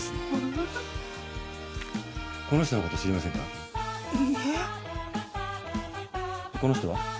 この人は？